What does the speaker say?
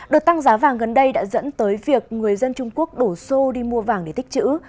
đợt tăng giá vàng gần đây đã dẫn tới việc người dân trung quốc đổ xô đi mua vàng để tích chữ